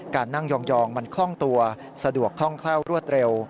การนั่งยองมันคล่องตัวสะดวกคล่องแคล่วรวดเร็ว